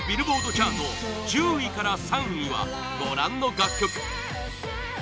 チャート１０位から３位はご覧の楽曲！